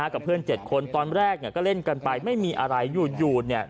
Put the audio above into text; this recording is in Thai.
กับเพื่อน๗คนตอนแรกเนี่ยก็เล่นกันไปไม่มีอะไรอยู่เนี่ย